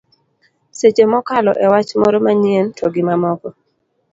seche mokalo e wach moro manyien to gi mamoko